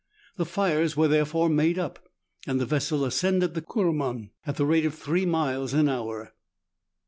The fires were therefore made up, and the vessel ascended the Kuruman at the rate of three miles an hour.